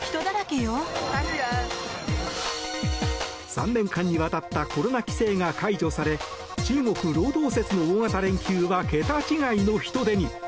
３年間にわたったコロナ規制が解除され中国労働節の大型連休は桁違いの人出に。